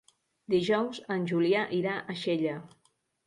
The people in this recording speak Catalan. Dijous en Julià irà a Xella.